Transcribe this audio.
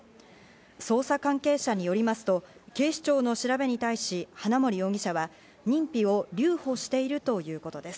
捜査関係者によりますと、警視庁の調べに対し花森容疑者は認否を留保しているということです。